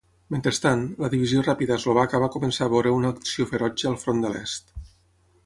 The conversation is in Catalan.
Mentrestant, la divisió ràpida eslovaca va començar a veure una acció ferotge al front de l'est.